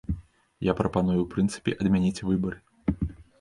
Я прапаную ў прынцыпе адмяніць выбары.